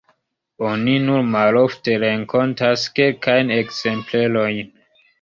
Oni nur malofte renkontas kelkajn ekzemplerojn.